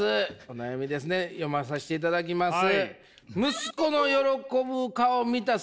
お悩みですね読まさせていただきます。